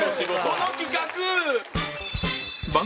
この企画！